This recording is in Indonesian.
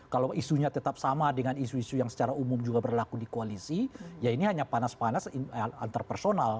kalau isunya tetap sama dengan isu isu yang secara umum juga berlaku di koalisi ya ini hanya panas panas antarpersonal